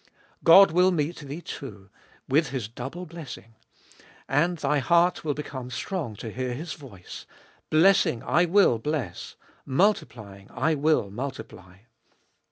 God will meet thee too with His double blessing. And thy heart will become strong to hear His voice, " Blessing / will bless, multiplying / will multiply."